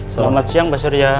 selamat siang mbak surya